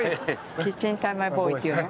「キッチンタイマーボーイ」って言うの？